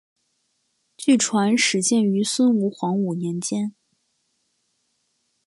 据传始建于孙吴黄武年间。